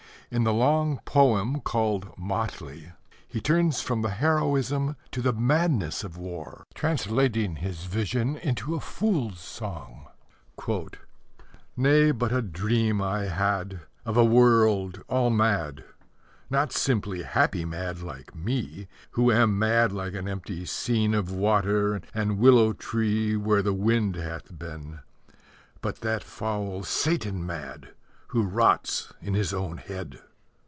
In the long poem called Motley he turns from the heroism to the madness of war, translating his vision into a fool's song: Nay, but a dream I had Of a world all mad, Not simply happy mad like me, Who am mad like an empty scene Of water and willow tree, Where the wind hath been; But that foul Satan mad, Who rots in his own head....